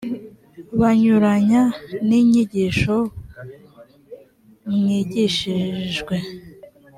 banyuranya n inyigisho k mwigishijwe